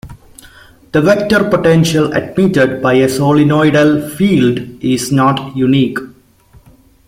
The vector potential admitted by a solenoidal field is not unique.